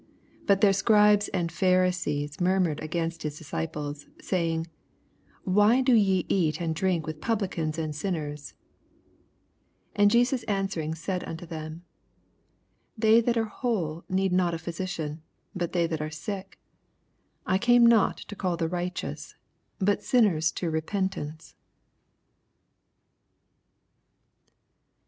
80 But their Scribes and Pharisees murmured against his disciples, say ing, Why do ye eat and drmk with Publicans and sinners f 81 And Jesus answering said unt< them, They that are whole need not a physidan : but they that are sick. 82 I came not to call the righteous, but sinners to repentance.